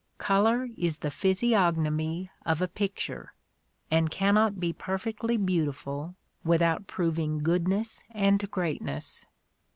.. Colour is the physiognomy of a picture : and ... cannot be perfectly beautiful without proving goodness and greatness."